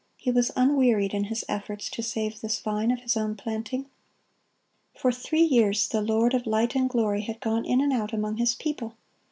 He was unwearied in His efforts to save this vine of His own planting. For three years the Lord of light and glory had gone in and out among His people.